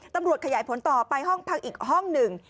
ตำรวจขยายผลต่อไปห้องพักอีกห้องหนึ่ง